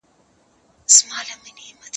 زه له سهاره د سبا لپاره د يادښتونه بشپړوم..